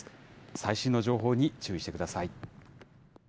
最新の情報に注意してください。